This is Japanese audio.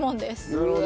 なるほど。